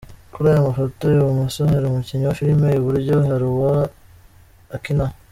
Kuri aya mafoto i bumoso hari umukinnyi wa filime,i buryo hari uwo akinaho.